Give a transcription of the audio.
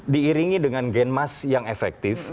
diiringi dengan genmas yang efektif